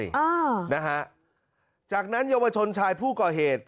อ่านะฮะจากนั้นเยาวชนชายผู้ก่อเหตุ